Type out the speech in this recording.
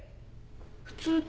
普通って？